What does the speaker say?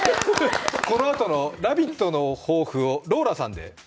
このあとの「ラヴィット！」の抱負をローラさんで。